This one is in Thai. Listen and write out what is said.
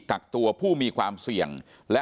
กักตัวผู้มีความเสี่ยงและ